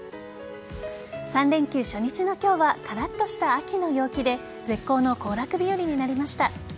３連休初日の今日はカラッとした秋の陽気で絶好の行楽日和になりました。